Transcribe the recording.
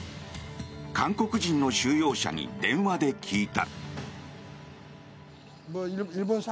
韓国人の収容者に電話で聞いた。